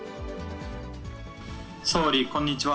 総理、こんにちは。